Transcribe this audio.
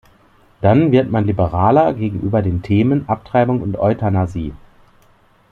Dann wird man liberaler gegenüber den Themen Abtreibung und Euthanasie.